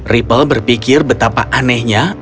ribble berpikir betapa anehnya